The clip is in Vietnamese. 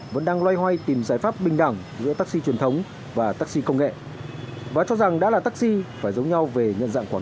bộ đạo động thương binh và xã hội